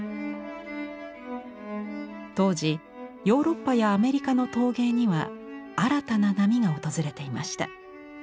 当時ヨーロッパやアメリカの陶芸には新たな波が訪れていました。